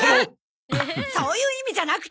そういう意味じゃなくて！